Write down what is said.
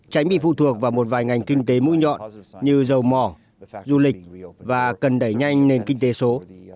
tránh bị phụ thuộc vào một vài ngành kinh tế mũi nhọn như dầu mỏ du lịch và cần đẩy nhanh nền kinh tế số